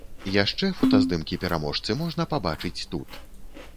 Яшчэ фотаздымкі пераможцы можна пабачыць тут.